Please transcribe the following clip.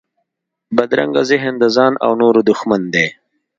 بدرنګه ذهن د ځان او نورو دښمن دی